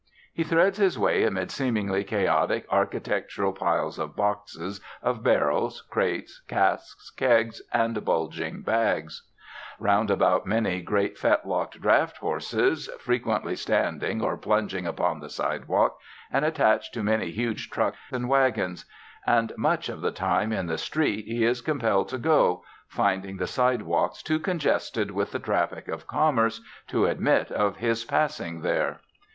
He threads his way amid seemingly chaotic, architectural piles of boxes, of barrels, crates, casks, kegs, and bulging bags; roundabout many great fetlocked draught horses, frequently standing or plunging upon the sidewalk, and attached to many huge trucks and wagons; and much of the time in the street he is compelled to go, finding the side walks too congested with the traffic of commerce to admit of his passing there.